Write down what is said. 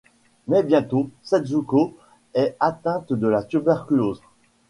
Mais bientôt, Setsuko est atteinte de la tuberculose.